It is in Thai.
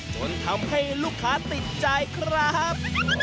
จนทำให้ลูกค้าติดใจครับ